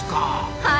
はい。